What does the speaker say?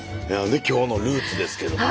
今日のルーツですけども。